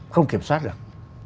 không kiểm soát được